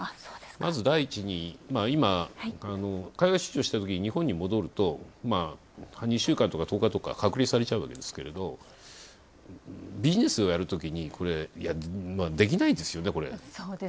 第一に、今、海外出張しているとき、日本に戻ると２週間とか１０日とか隔離されちゃうわけですけれどビジネスをやるときに、できないですよね、これ。